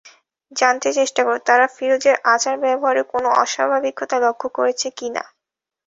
জানতে চেষ্টা করা, তারা ফিরোজের আচার ব্যবহারে কোনো অস্বাভাবিকতা লক্ষ করেছে কি না।